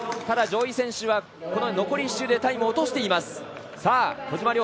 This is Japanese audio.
ただ、上位選手はこの残り１周でタイムを落としています。